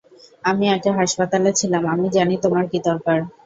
আমি আগে হাসপাতালে ছিলাম, আমি জানি তোমার কী দরকার।